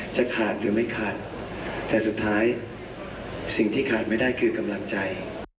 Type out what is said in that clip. จะขาดหรือไม่ขาดแต่สุดท้ายสิ่งที่ขาดไม่ได้คือกำลังใจ